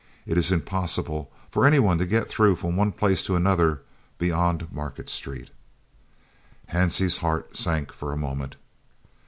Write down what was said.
It is impossible for any one to get through from one place to another beyond Market Street." Hansie's heart sank for a moment.